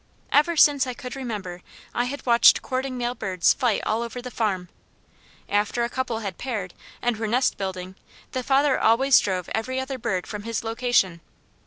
Ever since I could remember I had watched courting male birds fight all over the farm. After a couple had paired, and were nest building, the father always drove every other bird from his location.